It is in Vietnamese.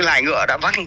lài ngựa đã văng